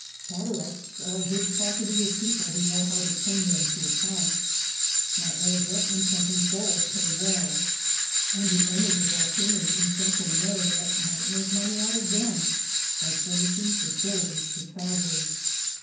Cataracts are good property with people who know how to turn them to account. Niagara and Trenton Falls pay well, and the owners of volcanoes in Central America might make money out of them by furnishing facilities to travellers.